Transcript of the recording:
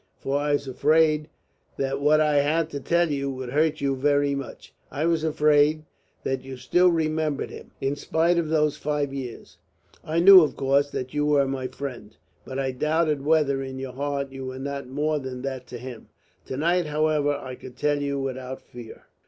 For I was afraid that what I had to tell you would hurt you very much. I was afraid that you still remembered him, in spite of those five years. I knew, of course, that you were my friend. But I doubted whether in your heart you were not more than that to him. To night, however, I could tell you without fear."